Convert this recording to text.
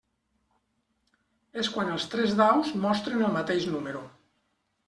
És quan els tres daus mostren el mateix número.